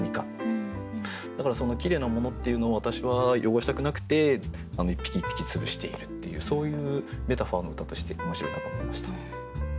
だからきれいなものっていうのを私は汚したくなくて一匹一匹つぶしているっていうそういうメタファーの歌として面白いなと思いました。